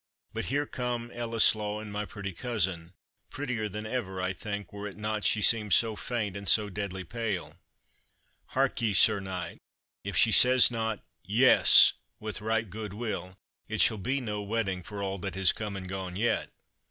But here come Ellieslaw and my pretty cousin prettier than ever, I think, were it not she seems so faint and so deadly pale Hark ye, Sir Knight, if she says not YES with right good will, it shall be no wedding, for all that has come and gone yet."